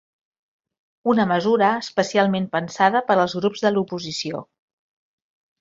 Una mesura especialment pensada per als grups de l’oposició.